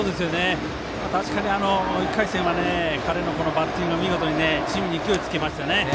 確かに１回戦は彼のこのバッティングは見事にチームに勢いをつけましたよね。